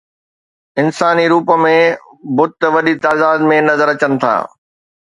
انساني روپ ۾ بت وڏي تعداد ۾ نظر اچن ٿا